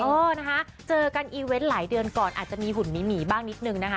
เออนะคะเจอกันอีเวนต์หลายเดือนก่อนอาจจะมีหุ่นหมีบ้างนิดนึงนะคะ